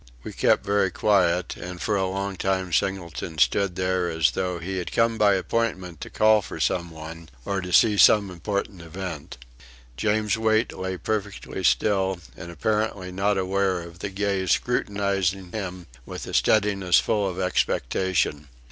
We kept very quiet, and for a long time Singleton stood there as though he had come by appointment to call for some one, or to see some important event. James Wait lay perfectly still, and apparently not aware of the gaze scrutinising him with a steadiness full of expectation.